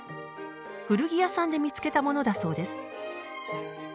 古着屋さんで見つけたものだそうです。